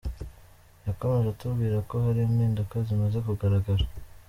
Yakomeje atubwira ko hari impinduka zimaze kugaragara.